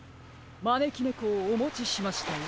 まねきねこをおもちしましたよ。